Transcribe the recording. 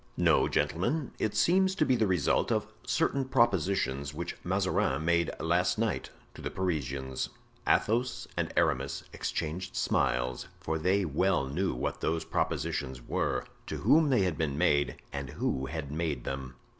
"No, gentlemen, it seems to be the result of certain propositions which Mazarin made last night to the Parisians." Athos and Aramis exchanged smiles; for they well knew what those propositions were, to whom they had been made and who had made them.